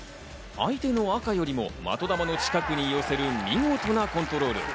相手の赤よりも的球の近くに寄せる見事なコントロール。